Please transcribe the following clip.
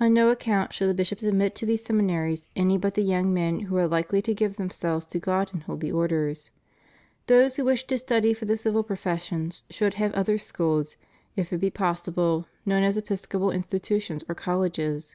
On no account should the bishops admit to these seminaries any but the young men who are likely to give themselves to God in Holy Orders. Those who wish to study for the civil professions should have other schools, if it be pos sible, known as episcopal institutions or colleges.